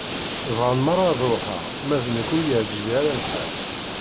Bɣan merra ad ruḥeɣ, ma d nekk ur y-iεǧib ara lḥal.